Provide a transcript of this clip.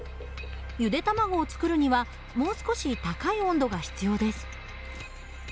ゆで卵を作るにはもう少し高い温度が必要です。